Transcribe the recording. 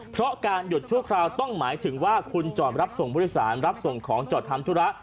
เพราะการหยุดชั่วคราวต้องหมายถึงว่าคุณจอดรับส่งผู้โดยสารรับส่งของจอดทำธุระ